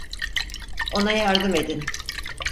Ona yardım edin!